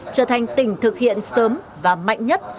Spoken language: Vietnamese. trở thành tỉnh thực hiện sớm và mạnh nhất